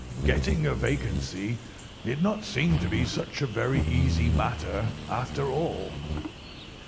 Getting a vacancy did not seem to be such a very easy matter, after all.